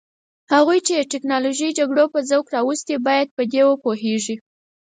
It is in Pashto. هغوی چې د تکنالوژیکي جګړو په ذوق راوستي باید په دې وپوهیږي.